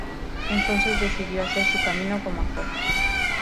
Entonces decidió hacer su camino como actor.